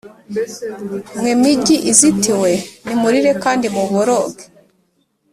Mwe migi izitiwe, nimurire kandi muboroge !